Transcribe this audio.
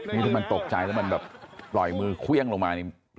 นี่มันตกใจแล้วมันแบบลอยมือเควี้ยงลงมาเนี่ย